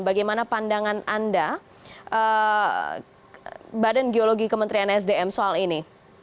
bagaimana pandangan anda badan geologi kementerian sdm soal ini